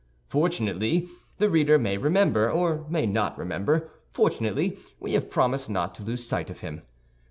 Fortunately, the reader may remember, or may not remember—fortunately we have promised not to lose sight of him.